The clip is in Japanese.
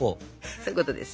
そういうことです。